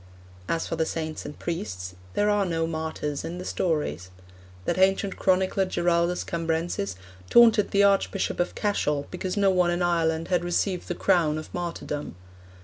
As for the saints and priests, 'there are no martyrs in the stories.' That ancient chronicler Giraldus Cambrensis 'taunted the Archbishop of Cashel, because no one in Ireland had received the crown of martyrdom.